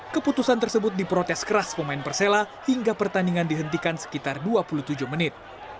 keputusan tersebut diprotes keras pemain persela hingga pertandingan dihentikan sekitar dua puluh tujuh menit